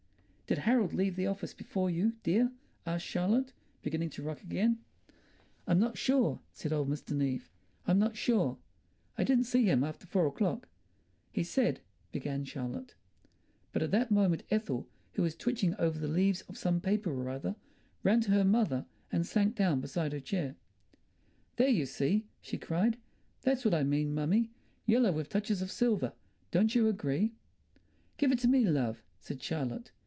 "Did Harold leave the office before you, dear?" asked Charlotte, beginning to rock again. "I'm not sure," said Old Mr. Neave. "I'm not sure. I didn't see him after four o'clock." "He said—" began Charlotte. But at that moment Ethel, who was twitching over the leaves of some paper or other, ran to her mother and sank down beside her chair. "There, you see," she cried. "That's what I mean, mummy. Yellow, with touches of silver. Don't you agree?" "Give it to me, love," said Charlotte.